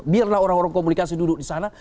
biarlah orang orang komunikasi duduk disana